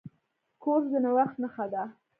کورس د نوښت نښه ده.